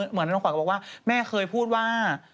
เหมือนน้องขวัญก็บอกว่าแม่เคยพูดว่า